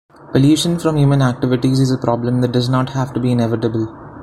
Pollution from human activities is a problem that does not have to be inevitable.